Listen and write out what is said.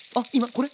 これ？